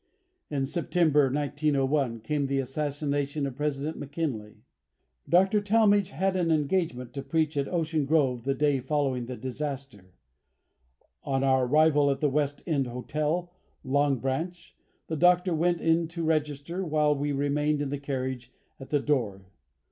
In September, 1901, came the assassination of President McKinley. Dr. Talmage had an engagement to preach at Ocean Grove the day following the disaster. On our arrival at the West End Hotel, Long Branch, the Doctor went in to register while we remained in the carriage at the door.